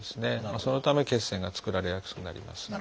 そのため血栓が作られやすくなります。